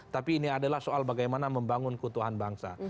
tapi ini adalah soal bagaimana membangun keutuhan bangsa